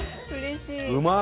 うまい！